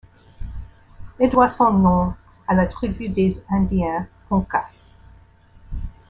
Elle doit son nom à la tribu des Indiens Ponca.